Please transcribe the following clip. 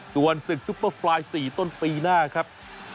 ส่วนศึกซุปเปอร์ไฟล์๔ต้นปีหน้าครับ